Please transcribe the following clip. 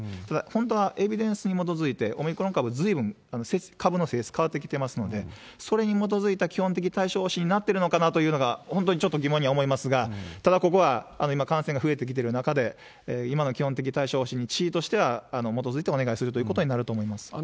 ただ、本当はエビデンスに基づいて、オミクロン株、ずいぶん株の性質変わってきてますので、それに基づいた基本的対処方針になってるのかなっていうのが、本当にちょっと疑問に思いますが、ただ、ここは今、感染が増えてきてる中で、今の基本的対処方針に知事としては、基づいてお願いするということになると思います。